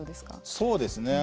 そうですね。